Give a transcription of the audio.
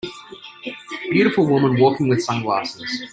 Beautiful woman walking with sunglasses.